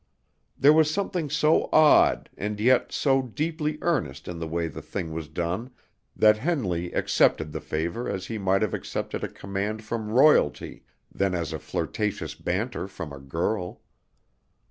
There was something so odd, and yet so deeply earnest in the way the thing was done that Henley accepted the favor as he might have accepted a command from royalty than as a flirtatious banter from a girl.